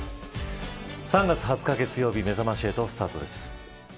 ３月２０日、月曜日めざまし８スタートです。